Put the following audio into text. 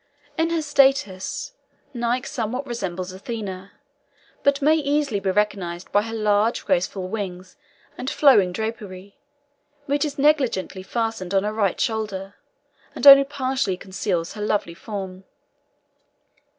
In her statues, Nike somewhat resembles Athene, but may easily be recognized by her large, graceful wings and flowing drapery, which is negligently fastened on the right shoulder, and only partially conceals her lovely form.